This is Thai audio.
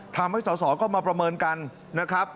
ทำให้สอสอก็มาประเมินกันนะครับ